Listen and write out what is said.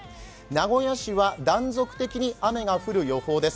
名古屋市は断続的に雨が降る予報です。